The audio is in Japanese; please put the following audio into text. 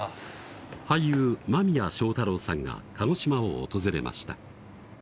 俳優・間宮祥太朗さんが鹿児島を訪れました